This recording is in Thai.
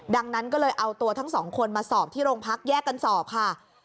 ดังนั้นก็เลยเอาตัวทั้งสองคนมาสอบที่โรงพักแยกกันสอบค่ะ